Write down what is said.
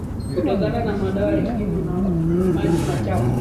Kutokana na madawa ya kilimo na maji machafu